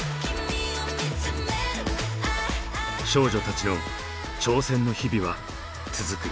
少女たちの挑戦の日々は続く。